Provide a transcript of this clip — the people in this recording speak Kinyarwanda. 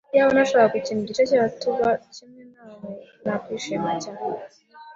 Iyaba nashoboraga gukina igice cya tuba kimwe nawe, nakwishima cyane.